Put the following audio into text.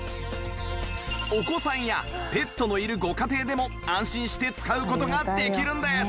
お子さんやペットのいるご家庭でも安心して使う事ができるんです